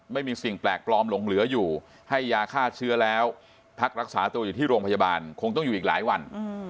ไม่มีสิ่งแปลกปลอมหลงเหลืออยู่ให้ยาฆ่าเชื้อแล้วพักรักษาตัวอยู่ที่โรงพยาบาลคงต้องอยู่อีกหลายวัน